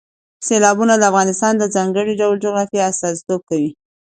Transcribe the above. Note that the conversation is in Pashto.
سیلابونه د افغانستان د ځانګړي ډول جغرافیې استازیتوب کوي.